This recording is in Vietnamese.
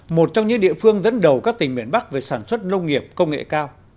một trong những địa phương dẫn đầu các tỉnh miền bắc về sản xuất nông nghiệp công nghệ cao